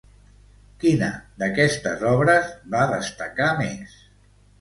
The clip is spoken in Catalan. Quina d'aquestes obres va destacar més?